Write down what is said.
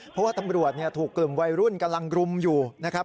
เพราะว่าตำรวจถูกกลุ่มวัยรุ่นกำลังรุมอยู่นะครับ